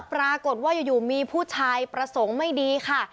ปรากฏว่าอยู่มีผู้ชายประสงค์ไม่ดีค่ะ